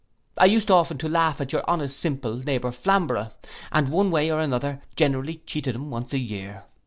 'I used often to laugh at your honest simple neighbour Flamborough, and one way or another generally cheated him once a year.